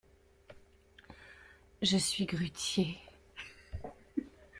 Je suis grutier.